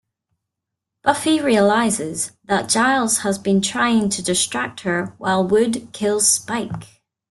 Buffy realizes that Giles has been trying to distract her while Wood kills Spike.